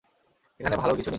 এখানে ভালোর কিছু নেই।